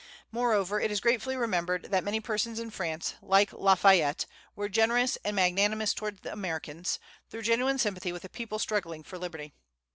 Moreover, it is gratefully remembered that many persons in France, like La Fayette, were generous and magnanimous toward Americans, through genuine sympathy with a people struggling for liberty.